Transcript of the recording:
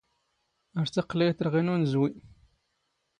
ⴰⵔ ⵜⴰⵇⵍⴰⵢ ⵜⵔⵖⵉ ⵏ ⵓⵏⵣⵡⵉ.